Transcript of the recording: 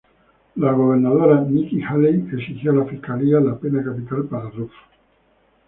La Gobernadora Nikki Haley exigió a la fiscalía la pena capital para Roof.